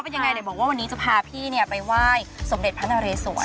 เป็นยังไงเดี๋ยวบอกว่าวันนี้จะพาพี่ไปไหว้สมเด็จพระนเรสวร